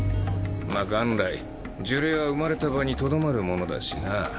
まっ元来呪霊は生まれた場にとどまるものだしな。